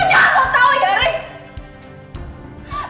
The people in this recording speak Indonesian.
lo jangan tau ya rik